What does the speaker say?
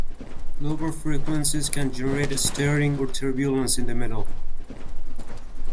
Lower frequencies can generate stirring or turbulence in the metal.